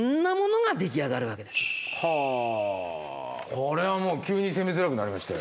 これはもう急に攻めづらくなりましたよ。